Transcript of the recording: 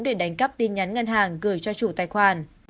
để đánh cắp tin nhắn ngân hàng gửi cho chủ tài khoản